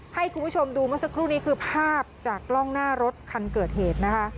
ให้คุณผู้ชมดูเมื่อสักครู่นี้คือภาพจากกล้องหน้ารถคันเกิดเหตุนะคะ